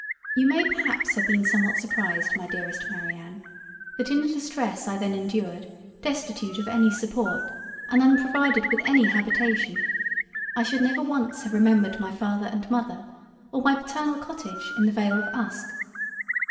You may perhaps have been somewhat surprised my Dearest Marianne, that in the Distress I then endured, destitute of any support, and unprovided with any Habitation, I should never once have remembered my Father and Mother or my paternal Cottage in the Vale of Uske.